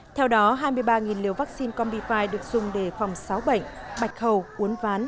theo đó hai mươi ba liều vaccine combi fi được dùng để phòng sáu bệnh bạch hầu uốn ván